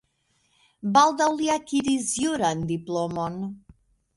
Baldaŭ li akiris juran diplomon.